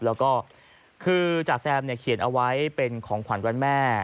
แล้วก็คือจ่าแซมเนี่ยเขียนเอาไว้เป็นของขวัญวันแม่